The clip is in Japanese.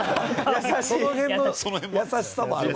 その辺の優しさもある。